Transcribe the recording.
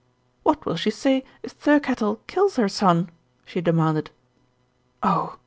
"What will she say if Thirkettle kills her son?" she demanded. "Oh!